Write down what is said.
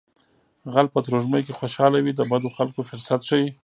غل په ترږمۍ کې خوشحاله وي د بدو خلکو فرصت ښيي